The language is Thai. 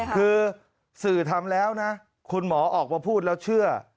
คือสื่อทำแล้วนะคุณหมอออกมาพูดแล้วเชื่อ